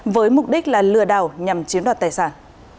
với mục đích là lừa đảo nhằm chiếm đoạt tài sản